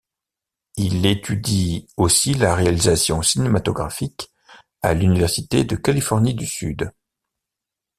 Il étudie aussi la réalisation cinématographique à l'université de Californie du Sud.